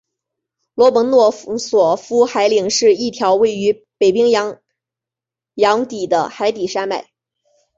罗蒙诺索夫海岭是一条位于北冰洋洋底的海底山脉。